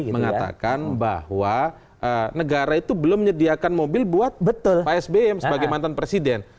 mengatakan bahwa negara itu belum menyediakan mobil buat pak sby sebagai mantan presiden